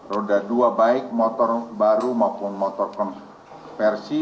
roda dua baik motor baru maupun motor konversi